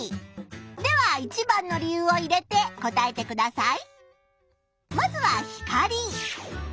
では一番の理由を入れて答えてください。